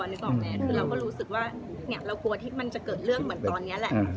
เราก็รู้สึกว่าเรากลัวที่มันจะเกิดเรื่องเหมือนตอนนี้แหละ